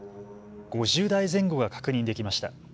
５０台前後が確認できました。